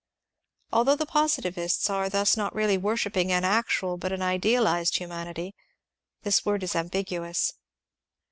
Although the positivists are thus not really worshipping an actual but an idealized humanity, this word is ambiguous.